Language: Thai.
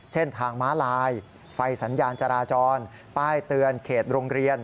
เช่นทางม้าลายไฟสัญญาณจราจรป้ายเตือนเขตโรงเรียน